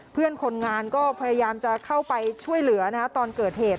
เพื่อนคนงานก็พยายามจะเข้าไปช่วยเหลือตอนเกิดเหตุ